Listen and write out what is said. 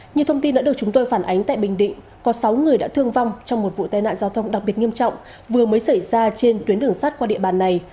nhiều thông tin đã được chúng tôi phản ánh tại bình định có sáu người đã thương vong trong một vụ tai nạn giao thông đặc biệt nghiêm trọng vừa mới xảy ra trên tuyến đường sắt qua địa bàn này